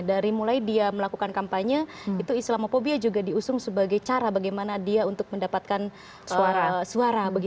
dari mulai dia melakukan kampanye islamophobia juga diusung sebagai cara bagaimana dia untuk mendapatkan suara